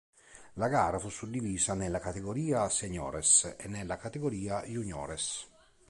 La gara fu suddivisa nella categoria "Seniores" e nella categoria "Juniores".